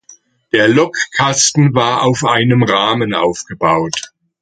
Der Lokkasten war auf einem Rahmen aufgebaut.